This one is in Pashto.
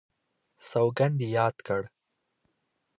سوګند یې یاد کړ.